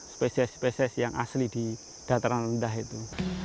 spesies spesies yang asli di dataran rendah itu